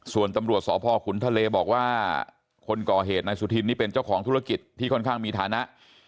ส่วนตำรวจสพขุนทะเลบอกว่าคนก่อเหตุนายสุธินนี่เป็นเจ้าของธุรกิจที่ค่อนข้างมีฐานะ